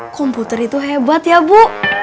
komputer itu hebat ya bu